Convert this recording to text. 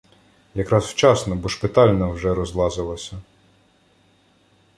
Якраз вчасно, бо шпитальна вже розлазилася.